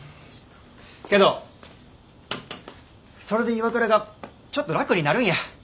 けどそれで岩倉がちょっと楽になるんや。